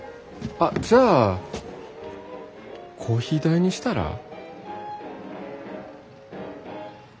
あっじゃあコーヒー代にしたら？